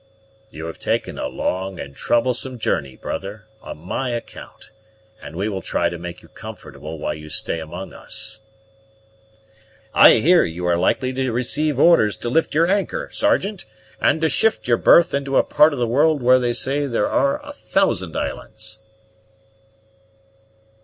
"You have taken a long and troublesome journey, brother, on my account; and we will try to make you comfortable while you stay among us." "I hear you are likely to receive orders to lift your anchor, Sergeant, and to shift your berth into a part of the world where they say there are a thousand islands."